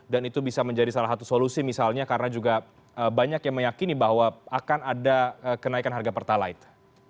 dan itu bisa menjadi salah satu solusi misalnya karena juga banyak yang meyakini bahwa akan ada kenaikan harga pertalite